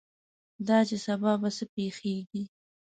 دا چې سبا به څه پېښېږي.